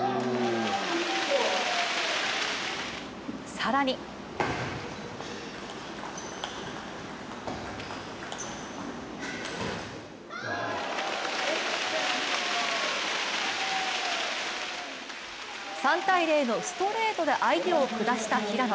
更に３−０のストレートで相手を下した平野。